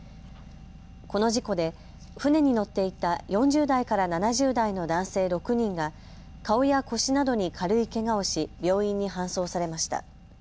この事故で船に乗っていた４０代から７０代の男性６人が顔や腰などに軽いけがをし病院に搬送されました。